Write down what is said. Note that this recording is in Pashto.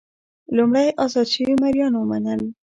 لومړی ازاد شوي مریان ومنل.